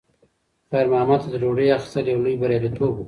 خیر محمد ته د ډوډۍ اخیستل یو لوی بریالیتوب و.